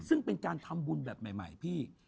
ซึ่งเป็นการทำบุญแบบใหม่พี่